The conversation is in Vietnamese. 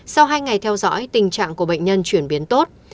sau hai ngày theo dõi tình trạng của bệnh nhân chuyển biến tốt